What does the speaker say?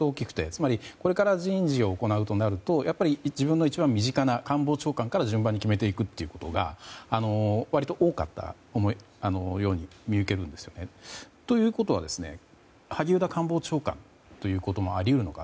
つまりこれから人事を行うとなるとやっぱり自分の一番身近な官房長官から順番に決めていくことが割と多かったように見受けるんですね。ということは萩生田官房長官ということもあり得るのか。